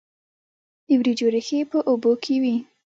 د وریجو ریښې په اوبو کې وي.